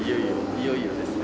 いよいよですね。